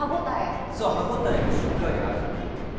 歯応えがしっかりあるっていうのが。